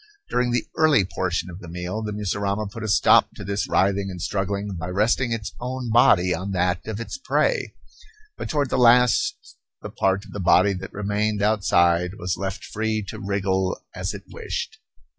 During the early portion of the meal, the mussurama put a stop to this writhing and struggling by resting its own body on that of its prey; but toward the last the part of the body that remained outside was left free to wriggle as it wished.